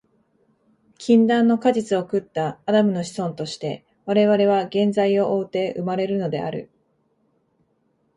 禁断の果実を食ったアダムの子孫として、我々は原罪を負うて生まれるのである。